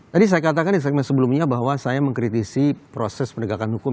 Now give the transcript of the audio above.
tadi saya katakan di segmen sebelumnya bahwa saya mengkritisi proses penegakan hukum